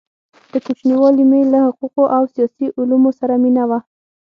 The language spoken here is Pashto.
د كوچنیوالي مي له حقو قو او سیاسي علومو سره مینه وه؛